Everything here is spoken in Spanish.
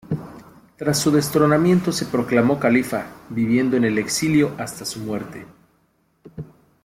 Tras su destronamiento se proclamó califa, viviendo en el exilio hasta su muerte.